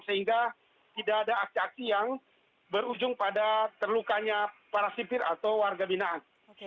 sehingga tidak ada aksi aksi yang berujung pada terlukanya para sipir atau warga binaan